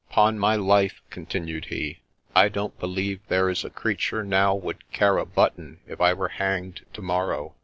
—' 'Pon my life !' continued he, ' I don't believe there is a creature now would care a button if I were hanged to morrow